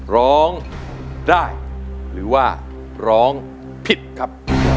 ร้องได้หรือว่าร้องผิดครับ